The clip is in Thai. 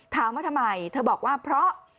ถามว่าทำไมเธอบอกว่าเพราะ